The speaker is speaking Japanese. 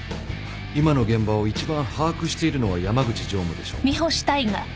今の現場を一番把握しているのは山口常務でしょう。